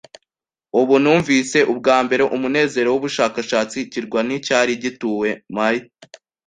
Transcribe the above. Ubu numvise ubwambere umunezero wubushakashatsi. Ikirwa nticyari gituwe; my